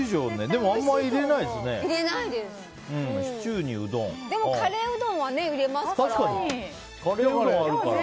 でもカレーうどんはありますから。